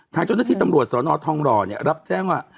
ทางเจ้าหน้าที่ตำรวจสรณทรทองรรับแจ้งว่า